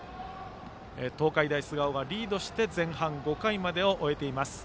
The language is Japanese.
東海大菅生がリードして前半５回までを終えています。